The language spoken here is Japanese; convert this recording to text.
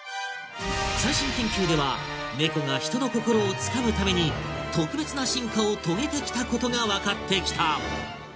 最新研究では猫が「人の心を掴む」ために特別な進化を遂げてきたことが分かってきた！